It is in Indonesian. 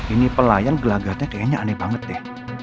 ini pelayan gelagatnya kayaknya aneh banget deh